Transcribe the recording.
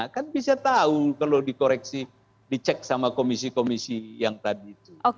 kan bisa tahu kalau dikoreksi dicek sama komisi komisi yang tadi itu